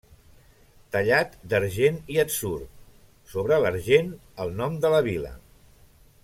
Tallat d'argent i atzur; sobre l'argent, el nom de la vila.